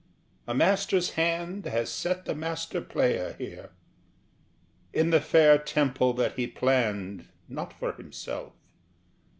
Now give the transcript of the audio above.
A master's hand Has set the master player here, In the fair temple that he planned Not for himself.